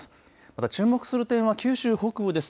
ただ注目する点は九州北部です。